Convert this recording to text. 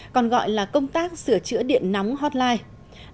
còn gọi là công tác sửa chữa điện nóng hotline